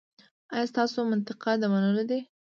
ایا ستاسو منطق د منلو دی؟